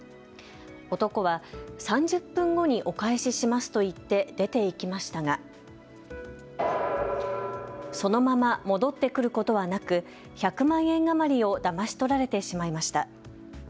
男は、３０分後にお返ししますと言って出て行きましたがそのまま戻ってくることはなく１００万円余りをだまし取られてしまいました。